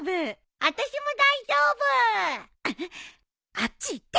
あっち行って！